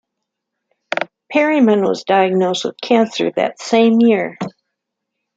Perryman was diagnosed with cancer that same year.